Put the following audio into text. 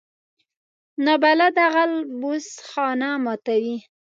نابلده غل بوس خانه ماتوي